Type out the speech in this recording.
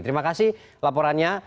terima kasih laporannya